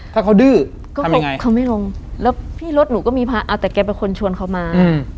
ถ้าเขาดื้อก็คงเขาไม่ลงแล้วพี่รถหนูก็มีพระเอาแต่แกเป็นคนชวนเขามา